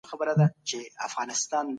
دا مرحلې د هر حکومت لپاره حتمي دي.